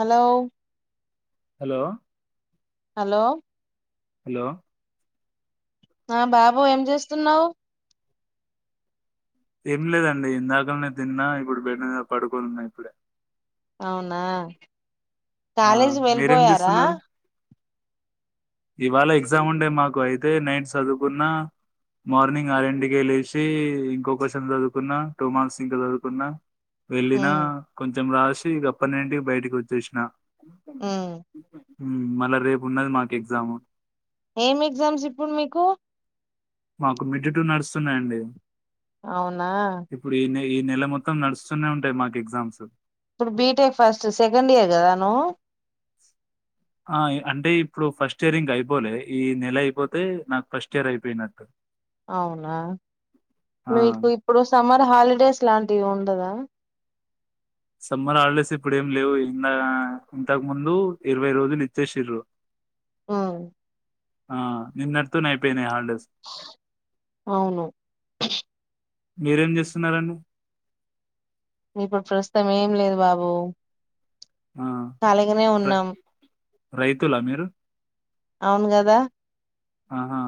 Hello hello hello hello ఆ బాబు ఏం చేస్తున్నావు ఏం లేదండి ఇందాకనే తిన్నా ఇప్పుడు బెడ్ మీద పడుకోని ఉన్నా ఇప్పుడే అవునా ఆ కాలేజీ మీరేం వెళ్ళిపోయారా చేస్తున్నారు ఇవాళ ఎగ్జామ్ ఉండే మాకు అయితే నైట్ చదువుకున్నా మార్నింగ్ ఆర ఇంటికే లేసి ఇంకో క్వశ్చన్ చదువుకున్నా టూ మార్క్స్ ఇంకా చదువుకున్నా వెళ్ళిన ఉమ్ కొంచెం రాసి సి ఇంకా పన్నెడీన్టికి బయటికి వచ్చేసిన ఉమ్ మళ రేపు ఉన్నది మా ఎగ్జామ్ ఏం ఎగ్జామ్స్ ఇప్పుడు మీకు మాకు మిడ్ టూ నడుస్తున్నాయంండి అవునా ఈ నెల మొత్తం నడుస్తూనే ఉంటాయి మాకు ఎగ్జామ్స్ ఇప్పుడు బీటెక్ ఫస్ట్ సెకండ్ ఇయర్ కదా నువ్వు ఆ అంటే ఇప్పుడు ఫస్ట్ ఇయర్ ఇంక అయిపోలే ఈ నెల అయిపోతే నాకు ఫస్ట్ ఇయర్ అయిపోయినట్టు అవునా ఆ! మీకు ఇప్పుడు సమ్మర్ హాలిడేస్ లాంటివి ఉండదా [inaudible] సమ్మర్ హాలిడేస్ ఇప్పుడుేం లేవు ఇంద ఇంతకు ముందు ఇరవై రోజులు ఇచ్చేసిర్రు ఆ ఆ నిన్న తోనే ఐపోనైయి హళ్ అవును మీరేం చేస్తున్నారు అండి ఇప్పుడు ప్రస్తుతం ఏం లేదు బాబు ఆ! కాలీగానే రై ఉన్నాం రైతులా మీరు అవును కదా ఆహా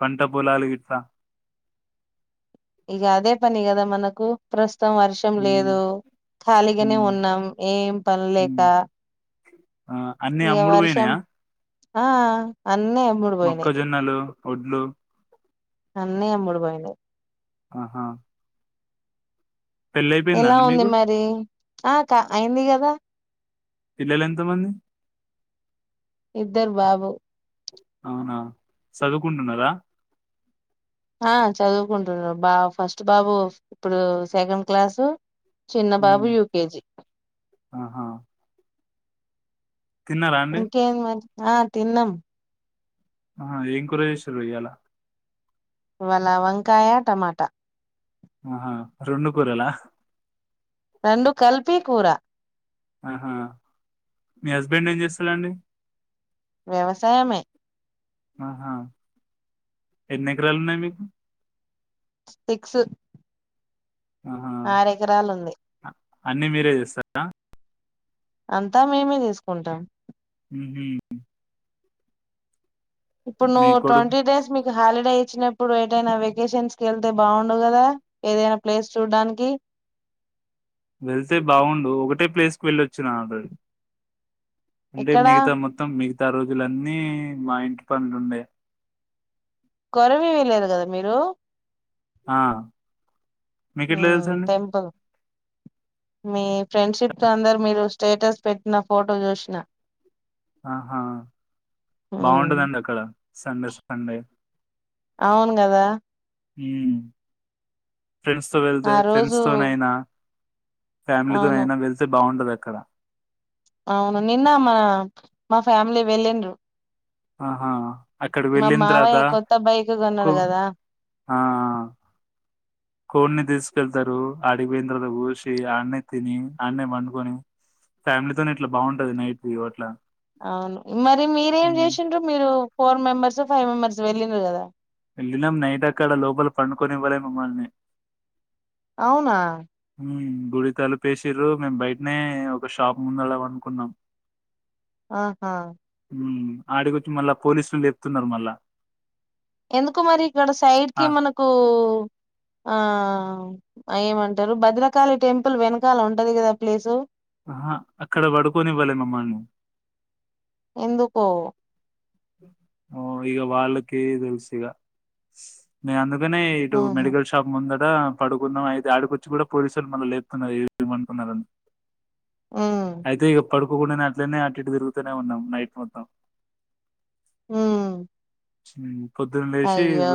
పంట పొలాలు [unintelligible] ఇంగ అదే పనిగదా మనకు ప్రశ మొత్తం వర్షం హ్మ్. లేదు ఖాళీగానే హ్మ్. ఉన్నాం ఏం పనీ లేక హ్మ్. [inaudible] ఆ అన్నిీ ఇక అమ్ముడు వర్షం పోయినాయా ఆ అన్నీ అమ్ముడు పోయినాయి వడ్లు అన్నీ అమ్మడు పోయినాయి ఆహా పెళ్లయిపోయిందా ఎలా అండి ఉంది మీకు? మరి ఆ క అయింది కదా పిల్లలెంతమంది ఇద్దరు బాబు అవునా చదువుకుంటున్నారా ఆ చదువుకుంటున్నారు బా ఫస్ట్ బాబు ఇప్పుడు సెకండ్ క్లాసు చిన్న బాబు హ్మ్. యుకేజీ ఆహా! తిన్నారా అండి? ఇంకేం మరి ఆ తిన్నం ఆ ఏం కూర చేసిర్రు ఇయ్యాల ఇవాల వంకాయ టమాటా ఆహా రెండు కూరలా రెండు కలిపి కూర ఆహా మీ హస్బెండ్ ఏం చేస్తాడండి వ్యవసాయమే ఆహా ఎన్ని ఎకరాలు ఉన్నాయి మీకు సిక్స్ ఆహా ఆరు ఎకరాలు ఉంది అ- అన్ని మీరే చేస్తారా అంతా మేమే తీసుకుంటాం ఊహూ ఇప్పుడు నువ్వు కొడుకు ట్వంటీ డేస్ మీ హాలిడే ఇచ్చినప్పుడు ఎటైనా వెకేషన్స్ కి వెళ్తే బాగుండు కదా ఏదైనా ప్లేస్ చూడ్డానికి వెళ్తే బావుండు ఒకటే ప్లేస్కి వెళ్ళొచ్చిన ఆల్రెడీ అంటే ఎక్కడా మిగతా మొత్తం మిగ్ మిగతా రోజులన్నీ మా ఇంటి పనులుండే కొరవి వీయ లేదు కదా మీరు ఆ మీకు ఎట్లా హమ్ తెలుసండి టెంపుల్ మీ ఫ్రెండ్షిప్ తో అందరు మీరు స్టేటస్ పెట్టిన ఫోటో చూసిన ఆహా మ్మ్ బాగుంటదండి అక్కడ సండేస్ సండే అవును కదా హుమ్ ఫ్రెండ్స్ తో వెళ్తే ఆ రోజు ఫ్రెండ్స్ తోనైనా ఫ్యామిలీతో అవును నైన వెళ్తే బాగుండదు అక్కడ అవును నిన్న మన మా ఫ్యామిలీ వెళ్ళిండ్రు ఆహా అక్కడ మా వెళ్ళిన్ తర్వాత మావయ్య కొత్త బైక్ కు కొన్నాడు కదా ఆ ఆ కోడిని తీసుకెళ్తారు ఆటికి పోయిన తర్వాత కోసి ఆన్నే తిని ఆన్నే పండుకొని ఫ్యామిలీతోనే ఇట్ల బాగుంటది నైట్ వ్యూ అట్లా మరి మీరేం ఉమ్, చేసిండ్రు మీరు ఫోర్ మెంబర్స్ ఫైవ్ మెంబర్స్ వెళ్ళిండ్రు కదా వెళ్ళినాం నైట్ అక్కడ లోపల పండుకొనివ్వలే మమ్మల్ని అవునా గుడి తలుపేసిర్రు మేము బయటనే ఒక షాప్ ముందు పనుకున్నాం ఆహా హ్మ్ ఆడికొచ్చి మళ్ళా పోలీసులు లేపుతున్నారు మళ్ళా ఎందుకు మరి ఇక్కడ సైడ్ ఆ, కి మనకు ఆ ఏమంటారు భద్రకాళి టెంపుల్ వెనకాల ఉంటది కదా ప్లేసు ఆహా అక్కడ పడుకొనివ్వలే మమ్మల్ని ఎందుకో ఓ ఇగ వాళ్ళకే తెలుసు ఇగ నేను అన్నాన్ అందుకనే ఇటు ఉహు మెడికల్ షాప్ ముంద అక్కడ పడుకున్నాం ఐతే ఆడకొచ్చి కూడా పోలీసోళ్ళు మళ్ళ లేపుతున్నారు ఏంటి ఇక్కడ పనుకున్నారని ఉమ్ ఆయితే ఇక పడుకోకుండానే అట్లనే అటుఇటు తిరుగుతూనే ఉన్నాం నైట్ మొత్తం హ్మ్ హ్మ్ అయ్యో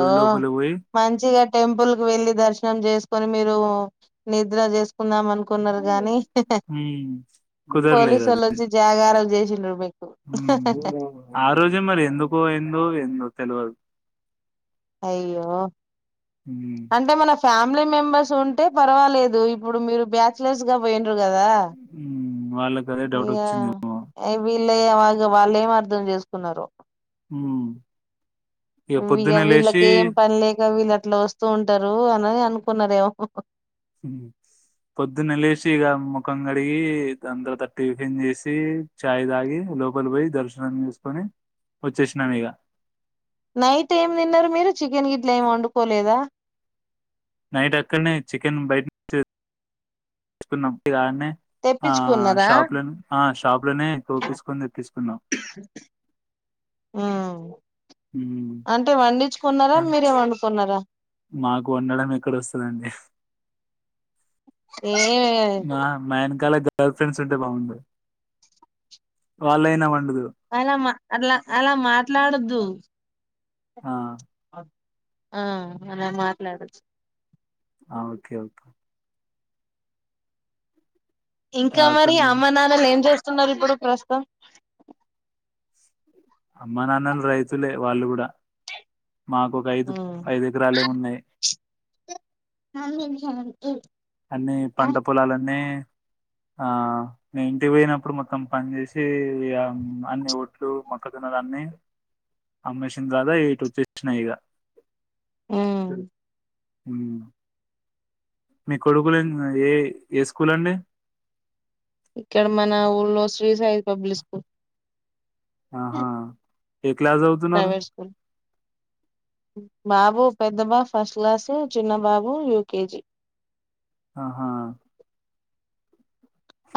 మంచిగా టెంపుల్ వెళ్ళి దర్శనం చేసుకొని మీరు నిద్ర చేసుకుందాం అను మ్మ్ కుదరలేదు అది పోలీసోళ్ళు వచ్చి జాగారం చేసిండ్రు మీకు మ్మ్ ఆ రోజే మరి ఎందుకుయిందో ఎందు తెల్వదు అయ్యో ఉమ్, అంటే మన ఫ్యామి లీ మెంబర్స్ ఉంటే పర్వాలేదు ఇప్పుడు మీరు బ్యాచిలర్స్ గా పోయి యిండ్రు కదా ఉమ్, వాళ్ళకి అదే డౌట్ ఈగ వచ్చిందేమో అవి లే వాళ్ళు వాళ్ళు ఏం అర్థం చేసుకున్నారు మ్మ్ ఇగ వీళ్ళకి ఏం పనిలేక వీళ్ళ అట్లా వస్తూ ఉంటారు అని అనుకున్నారేమో మ్మ్ పొద్దున్నె లేసి ఇగ ముఖం కడిగి దాని తర్వాత టిఫిన్ చేసి చాయ్ తాగి లోపలి పోయి దర్శనం చేసుకొని వచ్చేసినాం ఇగ నైట్ ఏం తిన్నారు మీరు చికెన్ గిట్ల ఏం వండుకోలేదా నైట్ అక్కడనే చికెన్ బయట [unintelligible] ను తీకున్నప్పు ఇ గా అనే ఆ తెప్పించుకున్నారా షాప్ లో ఆ షాప్ లోనే తోపిసుకొని తెప్పసుకున్నాం మ్మ్ అంటే వండించుకున్నారా మీరే వండుకున్నారా మాకు వండడం ఎక్కడ వస్తదండి ఏమి లేదు మా మా వెనకాల గర్ల్ ఫ్రెండ్స్ ఉంటే బాగుండు వాళ్ళయినా ఉంద్ అలా మా అట్ల అలా మాట్లాడద్దు ఆ ఆ అనని మాట్లాడొచ్చు ఆ ఓకే ఓకే ఇంకా మరి అక్కడ అమ్మ నాన్నలేం చేస్ స్తున్నారిప్పుడు ప్రస్తుతం. అమ్మ నాన్నలు రైతులే వాళ్ళు కూడా. మాకు ఒక ఐదు ఐదు ఎకరాలే ఉన్నాయి. [inaudible] అన్ని పంట పొలాలన్నీ. ఆ నేను ఇంటికి పోయినప్పుడు మొత్తం పని చేేసి అన్ని ఒట్లు మొక్క జొన్నలన్నీ అమ్మేసిన తర్త ఇటు వచ్చేసిన ఇగ హ్మ్. హ్మ్. మీ కొడుకులు ఏ ఏ స్కూల్ అండి. ఇక్కడ మన ఊల్లో శ్రీ సాయి పబ్లిక్ స్కూల్. ఆహా. ఏ క్లాస్ చదువుతున్నారు. ప్రైవేట్ స్కూల్ బాబు పెద్ద బాబు ఫస్ట్ క్లాసు చిన్న బాబు యూకేజీ. ఆహా.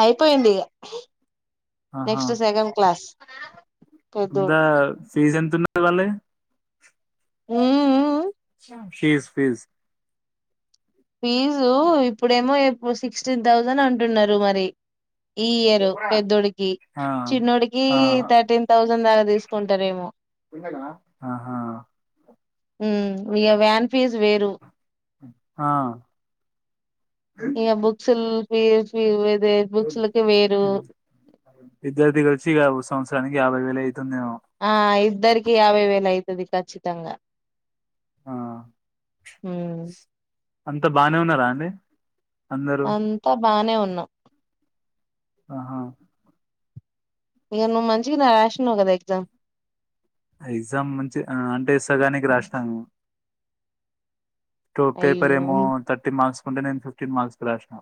అయిపోయిందిగ నెక్స్ట్ సెకండ్ క్లాస్. దా ఫీస్ ఎంత ఉన్ వాళ్ళయ్ హ్మ్ హు. Fees fees. ఫీజు ఇప్పుడేమో సిక్స్టీన్ థౌజండ్ అంటున్నారు మరి. ఈ ఇయరు పెద్దోడికి. ఆ చిన్నోడికి ఆ థర్టీన్ థౌజండ్ దాకా తీసుకుంటారేమో. ఆహా హ్మ్ విగ వ్యాన్. ఫీజు వేరు. ఆ ఇగ బుక్స్. Fees fees. విద్యార్థిగా వచ్చిగ సంవత్సరానికి యాభైవేలు అయి ఆ ఇద్దరికి యాభైవేలు అయి తది ఖచ్చితంగా. ఆ హ్మ్. అంతా బానే ఉన్నారా అండి. అందరూ అంతా బానే ఉ ఉన్నాం ఆహా ఇక నువ్వు మంచిగనే రాసినవు కదా ఎగ్జామ్ ఎగ్జామ్ మంచి అంటే సగానికి రాసినాను టూ పేపర్ అయ్యో ఏమో thirty marks twenty nine fifteen marks కి రాసిన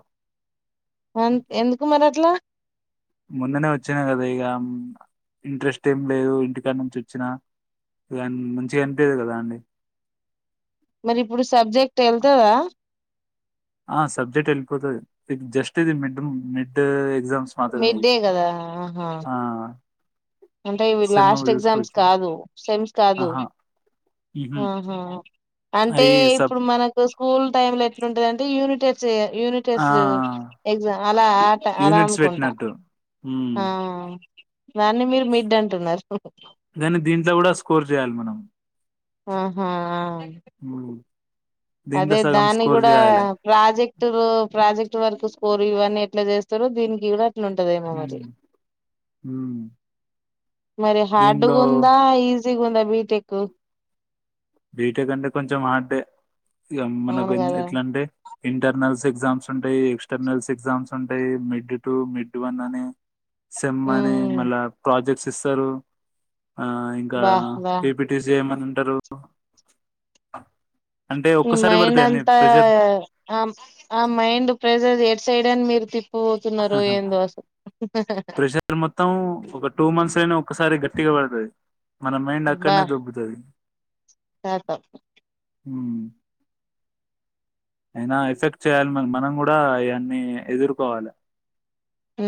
అం ఎందుకు మరి అట్లా ముందునే వచ్చిన కదా ఇగ ఇంట్రెస్ట్ ఏమి లేదు, ఇంటికాడ నుంచి వచ్చినా ఇగ మంచిగా అనిపియదు కదా అండి మరి ఇప్పుడు సబ్జెక్ట్ వెళ్తదా ఆ సబ్జెక్ట్ ఎల్లిపోతుది ఇది జస్ట్ ఇది మిడ్ మిడ్డూ మిడ్డే కదా ఆహా ఆ అంటే ఇవి సెమ్ లాస్ట్ ఎగ్జామ్స్ చూసుకోవచ్చు కాదు సెమ్స్ కాదు, ఆహా ఉహు ఆహ అంటే అయి సబ్ ఇప్పుడు మనకోసు స్కూల్ టైమ్ లో ఎట్లుంద అంటే యూనిట్ టెస్టే యూనిట్ ఆ టెస్ట్ ఎగ్జామ్ అలా ఆట అలా యూనిట్స్ అనుకుంటా పెట్టినట్టు ఉమ్ ఆ దాన్ని మీరు మిడ్ అంటున్నారు ఇ కూడా స్కోర్ చేయాలి మనం ఆహా ఆ హ్మ్ అదే దాని కూడా ప్రాజెక్టు ప్రాజెక్ట్ ఇ వరకు స్కోర్ ఇవన్నని ఎట్లా చేస్తార దీనికి కూడా ఉంటదేమ మరి ఉమ్ ఉమ్ మరి దీంట్లో హార్డ్గా ఉందా ఈ సికుందా బిటెక్ బీట కంటే కొంచెం ఆడ ఇ మనకు అవును కదా ఎట్లా అంటే ఇంటర్నల్స్ ఎగ్జామ్స్ ఉంటాయి ఎక్స్టర్నల్స్ ఎగ్జామ్స్ ఉంటాయి మిడ్ టూ మిడ్ వన్ అని సెమ్ మని ఉమ్ మళ్ళ ప్రాజెక్ట్స్ ఇస్తారు ఆ ఇంకా బా బా పీపిటీసి ఏమ సరు హ్మ్ ఈ మైం అంతా ఆ ఆ మైండ్ ప్రెజెర్ సైడన్ మీర్తి ప్రెషర్ మొత్తం ఒక టూ మంత్స్ అనా ఒకసారి గ టిగాబడతాది మన మైండ్ అక్కడనే దొబ్బుతది, కతం హు అయినా ఎఫెక్ట్ చేయాలి మ మనం కూడా ఇవన్నీ ఎదుర్కోవాలే, ఉ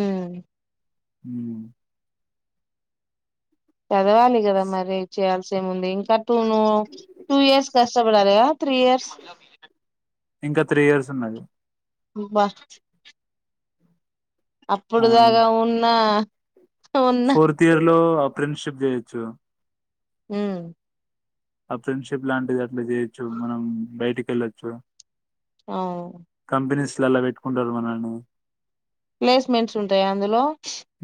హు ఎదగాలి కదా మరి చేయాలి, వచ్చే ముందు ఇంకా టూ ను టూ ఇయర్స్ కష్టపడాలి త్రీ ఇయర్స్, ఇంకా త్రీ ఇయర్స్ ఉన్నాది ఉబ్బ ఆ అప్పుడు దాకా ఉన్న ఉన్న ఫోర్త్ ఇయర్ లో అపు. ఫ్రెండ్షిప్ జయ్యొచ్చు, ఊ ఆ ఫ్రెండ్షిప్ లాంటిది అట్లా చేయొచ్చు మనం బయటికి వెళ్లొచ్చు, ఆవు ఆటల్ల పెట్టుకుంటారు మనల్ని, ప్లేస్మెంట్స్ ఉంటాయా అందులో,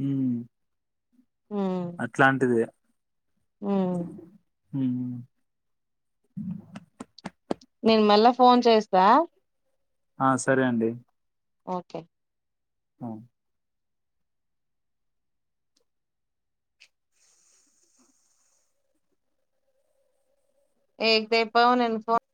ఉమ్ ఉమ్ అట్లాంటిదే, ఉమ్ ఊ ఊహు నేను మళ్ళా ఫోన్ చేస్తా, ఆ సరే అండి ఓకే అహ, [unintelligible]